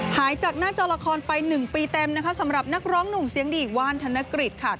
หายจากหน้าจอละครไป๑ปีเต็มนะคะสำหรับนักร้องหนุ่มเสียงดีว่านธนกฤษค่ะ